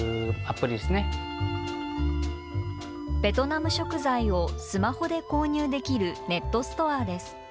ベトナム食材をスマホで購入できるネットストアです。